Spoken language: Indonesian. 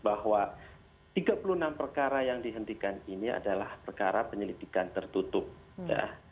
bahwa tiga puluh enam perkara yang dihentikan ini adalah perkara penyelidikan tertutup ya